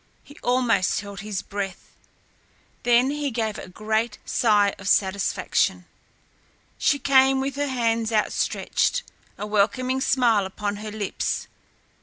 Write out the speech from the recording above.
He almost held his breath. Then he gave a great sigh of satisfaction. She came with her hands outstretched, a welcoming smile upon her lips.